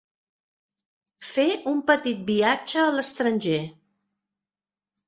Fer un petit viatge a l'estranger.